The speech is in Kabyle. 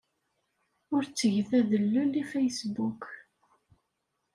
Ur ttget adellel i Facebook.